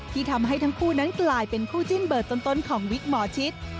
ที่ทำให้ทั้งคู่นั้นกลายเป็นคู่จิ้นเบอร์ต้นของวิกหมอชิด